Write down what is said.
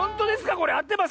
これあってます？